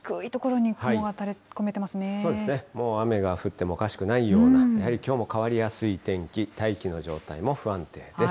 もう雨が降ってもおかしくないような、やはりきょうも変わりやすい天気、大気の状態も不安定です。